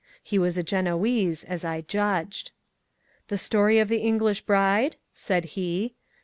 He was a Genoese, as I judged. 'The story of the English bride?' said he.